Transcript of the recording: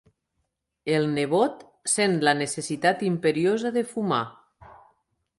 El nebot sent la necessitat imperiosa de fumar.